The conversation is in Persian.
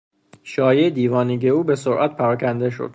شایعهی دیوانگی او به سرعت پراکنده شد.